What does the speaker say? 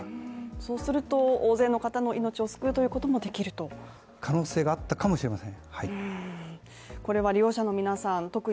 そうすると大勢の方の命を救うということもできると可能性があったかもしれません